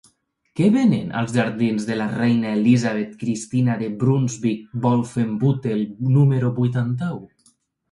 Què venen als jardins de la Reina Elisabeth Cristina de Brunsvic-Wolfenbüttel número vuitanta-u?